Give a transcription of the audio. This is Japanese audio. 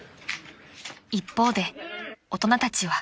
［一方で大人たちは］